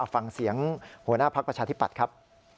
ฟังเสียงหัวหน้าภักดิ์ประชาธิปัตย์ครับ